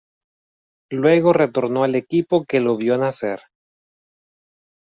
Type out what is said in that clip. Luego retornó al equipo que lo vio nacer.